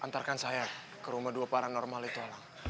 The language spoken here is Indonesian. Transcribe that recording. hantarkan saya ke rumah dua paranormal itu alang